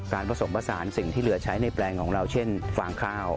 ผสมผสานสิ่งที่เหลือใช้ในแปลงของเราเช่นฟางข้าว